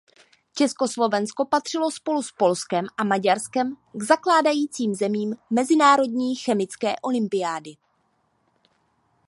Československo patřilo spolu s Polskem a Maďarskem k zakládajícím zemím mezinárodní chemické olympiády.